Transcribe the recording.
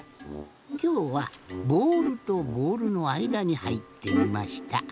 きょうはボールとボールのあいだにはいってみました。